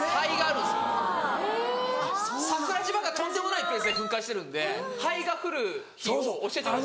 桜島がとんでもないペースで噴火してるんで灰が降る日を教えてくれる。